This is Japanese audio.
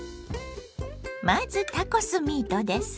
まずタコスミートです。